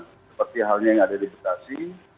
seperti halnya yang ada di bekasi